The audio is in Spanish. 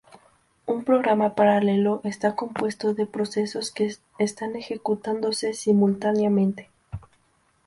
Un programa paralelo está compuesto de procesos que están ejecutándose simultáneamente.